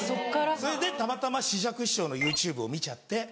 それでたまたま枝雀師匠のＹｏｕＴｕｂｅを見ちゃって。